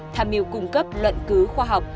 tham mưu cung cấp luận cứu khoa học